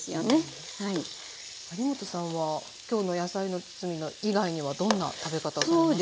有元さんは今日の野菜の包み以外にはどんな食べ方ありますか？